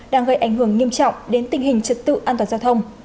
đang gây ảnh hưởng nghiêm trọng đến tình hình trật tự an toàn giao thông